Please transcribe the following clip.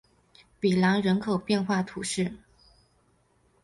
比朗人口变化图示